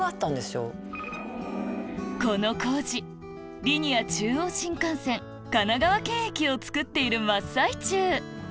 この工事リニア中央新幹線神奈川県駅を造っている真っ最中